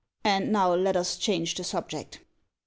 And now let us change the subject."